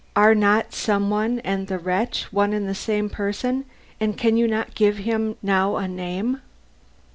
Are not some one and the wretch one and the same person, and can you not give him now a name?"